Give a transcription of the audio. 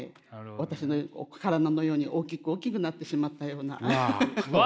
私の体のように大きく大きくなってしまったような。わ。